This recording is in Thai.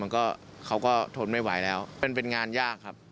เขาก็เขาก็ทนไม่ไหวแล้วเป็นงานยากครับ